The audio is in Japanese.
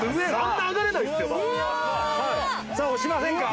さあ押しませんか？